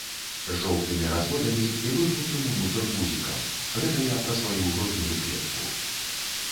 З жоўтымі разводамі і выгнутым унутр гузікам, гэта я пра сваю грудную клетку.